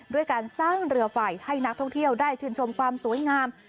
ด้วยการสร้างเรือไฟให้นักท่องเที่ยวได้ชื่นชมความสวยงาม